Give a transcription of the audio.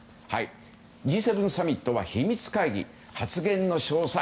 Ｇ７サミットは秘密会議発言の詳細